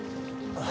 ああ。